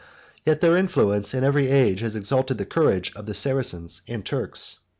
Yet their influence in every age has exalted the courage of the Saracens and Turks.